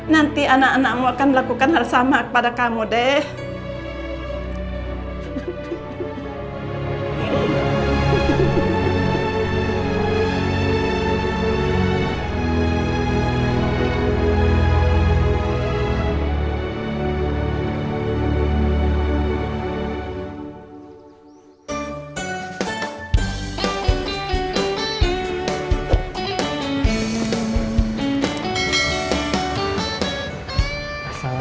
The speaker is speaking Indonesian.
nanti anak anakmu akan melakukan hal sama kepada kamu dede